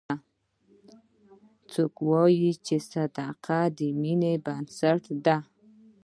څوک وایي چې صداقت د مینې بنسټ ده